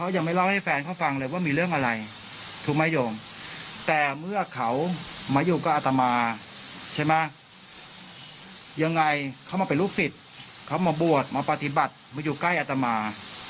แต่เมื่อเขามาอยู่กับอัตมาใช่ไหมยังไงเขามาเป็นลูกศิษย์เขามาบวชมาปฏิบัติมาอยู่ใกล้อัตมา